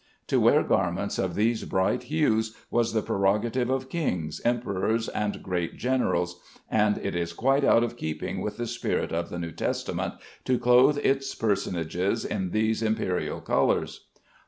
To wear garments of these bright hues was the prerogative of kings, emperors, and great generals, and it is quite out of keeping with the spirit of the New Testament to clothe its personages in these imperial colors.